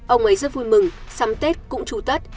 ông ấy rất vui mừng sắm tết cũng trú tắt